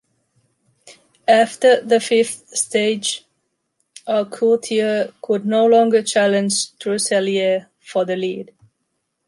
After the fifth stage, Aucouturier could no longer challenge Trousselier for the lead.